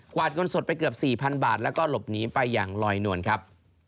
วาดเงินสดไปเกือบ๔๐๐๐บาทแล้วก็หลบหนีไปอย่างลอยนวลครับ